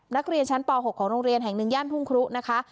นักเรียนชั้นป๖ของโรงเรียนแห่งหนึ่งย่านทุ่งครุนะคะ